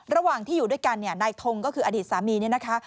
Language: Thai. ระหว่างที่อยู่ด้วยกันเนี่ยนายทงก็คืออดีตสามีเนี่ยนะคะ